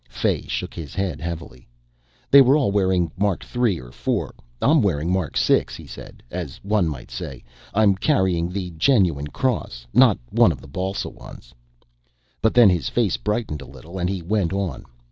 Fay shook his head heavily. "They were all wearing Mark 3 or 4. I'm wearing Mark 6," he said, as one might say, "I'm carrying the genuine Cross, not one of the balsa ones." But then his face brightened a little and he went on.